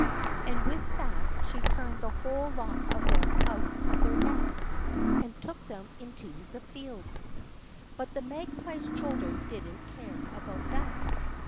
And with that she turned the whole lot of them out of their nest and took them into the fields. But the Magpie's children didn't care about that.